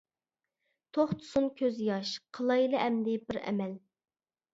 توختىسۇن كۆز ياش، قىلايلى ئەمدى بىر ئەمەل ؟!